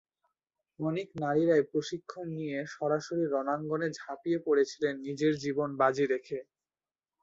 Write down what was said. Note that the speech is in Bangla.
অনেক নারীরাই প্রশিক্ষণ নিয়ে সরাসরি রণাঙ্গনে ঝাপিয়ে পড়েছিলেন নিজের জীবন বাজি রেখে।